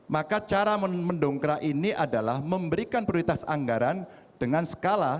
maka cara mendongkrak ini adalah memberikan prioritas anggaran dengan skala